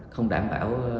không đảm bảo